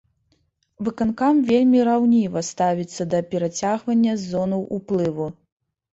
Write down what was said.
Выканкам вельмі раўніва ставіцца да перацягвання зонаў уплыву.